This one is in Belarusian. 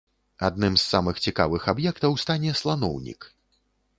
Адным з самых цікавых аб'ектаў стане сланоўнік.